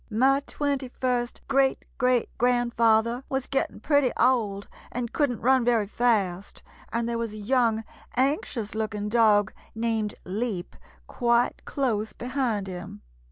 My twenty first great great grandfather was getting pretty old and couldn't run very fast, and there was a young, anxious looking dog named Leap quite close behind him.